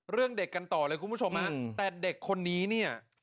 เรื่องเด็กกันต่อเลยคุณผู้ชมฮะแต่เด็กคนนี้เนี่ย